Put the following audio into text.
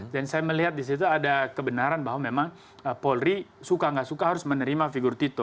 saya melihat di situ ada kebenaran bahwa memang polri suka nggak suka harus menerima figur tito